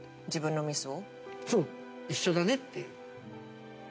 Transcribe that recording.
一緒だねっていう。